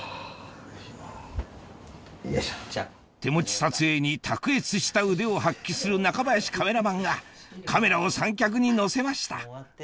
手持ち撮影に卓越した腕を発揮する中林カメラマンがカメラを三脚に乗せました